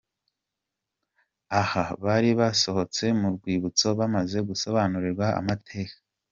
Aha bari basohotse mu rwibutso bamaze gusobanurirwa amateka.